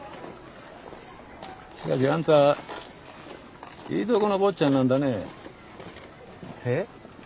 しかしあんたいいとこの坊っちゃんなんだね。